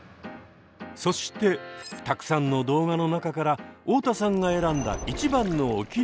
そしてたくさんの動画の中から太田さんが選んだ一番のおきにいりは？